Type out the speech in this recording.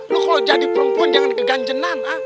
lo kalo jadi perempuan jangan keganjenan ah